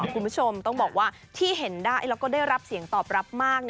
คุณผู้ชมต้องบอกว่าที่เห็นได้แล้วก็ได้รับเสียงตอบรับมาก